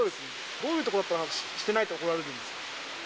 どういうところだと、してないと怒られるんですか？